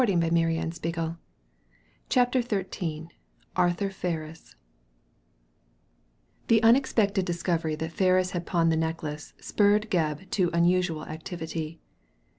'* Digitized by Google CHAPTER XIII ARTHUR FERRIS The unexpected discovery that Ferris had pawned the necklace, spurred Gebb to unusual activity.